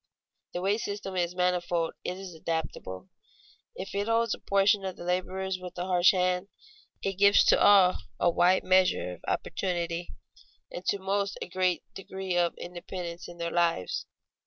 The wage system is manifold, it is adaptable. If it holds a portion of the laborers with a harsh hand, it gives to all a wide measure of opportunity, and to most a great degree of independence in their lives.